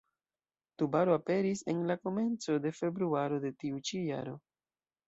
Tubaro aperis en la komenco de februaro de tiu ĉi jaro.